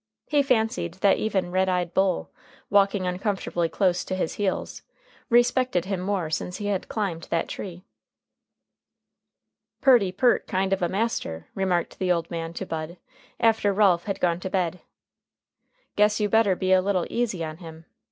He fancied that even red eyed Bull, walking uncomfortably close to his heels, respected him more since he had climbed that tree. "Purty peart kind of a master," remarked the old man to Bud, after Ralph had gone to bed. "Guess you better be a little easy on him.